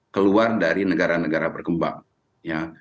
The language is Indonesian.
keluar dari negara negara berkembang ya